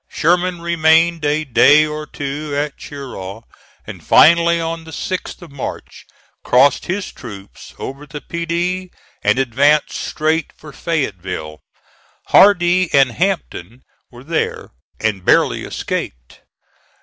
Sherman remained a day or two at Cheraw; and, finally, on the 6th of March crossed his troops over the Pedee and advanced straight for Fayetteville. Hardee and Hampton were there, and barely escaped.